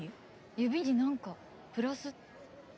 指に何かプラス。